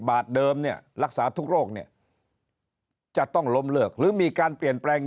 บาทเดิมเนี่ยรักษาทุกโรคเนี่ยจะต้องล้มเลิกหรือมีการเปลี่ยนแปลง